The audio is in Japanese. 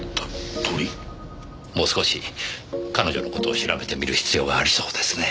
もう少し彼女の事を調べてみる必要がありそうですねぇ。